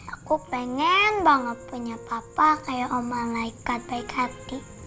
aku pengen banget punya papa kayak mama naikkan baik hati